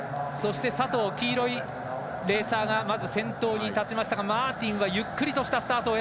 佐藤、黄色いレーサーがまず先頭に立ちましたがマーティンはゆっくりとしたスタート。